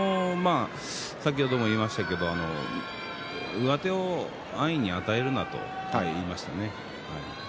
先ほども言いましたけれども上手を安易に与えるなと言いましたね。